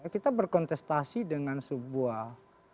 kita berkontestasi dengan sebuah